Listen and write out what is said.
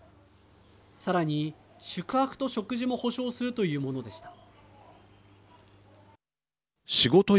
さらに、宿泊と食事も保証するというものでした。